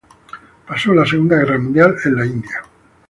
Pasó la Segunda Guerra Mundial en la India.